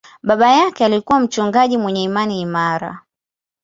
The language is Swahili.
Baba yake alikuwa mchungaji mwenye imani imara.